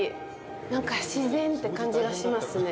なんか自然って感じがしますね。